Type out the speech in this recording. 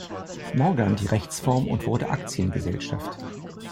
Morgan die Rechtsform und wurde Aktiengesellschaft.